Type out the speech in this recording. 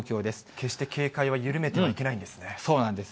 決して警戒は緩めてはいけなそうなんです。